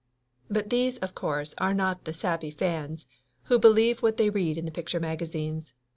But these of course are not the sappy fans who believe what they read in the picture magazines.